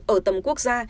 ở tâm quốc gia